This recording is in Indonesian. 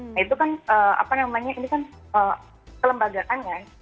nah itu kan apa namanya ini kan kelembagaan kan